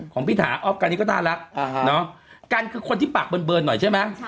ของพี่ถาอ๊อฟกันนี่ก็น่ารักกันคือคนที่ปากเบิร์นหน่อยใช่ไหม